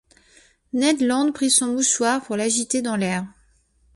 Ned Land prit son mouchoir pour l’agiter dans l’air.